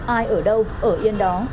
ai ở đâu ở yên đó